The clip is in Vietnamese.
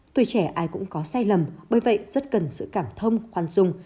tuổi trẻ ai cũng có sai lầm bởi vậy rất cần sự cảm thông khoan dung